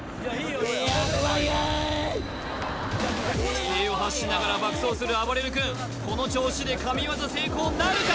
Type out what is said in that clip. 奇声を発しながら爆走するあばれる君この調子で神業成功なるか？